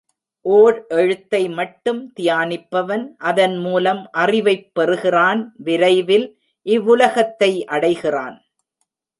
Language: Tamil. ஓர் எழுத்தை மட்டும் தியானிப்பவன், அதன் மூலம் அறிவைப் பெறுகிறான் விரைவில் இவ்வுலகத்தை அடைகிறான்.